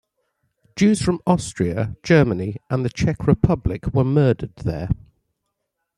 Jews from Austria, Germany and the Czech Republic were murdered there.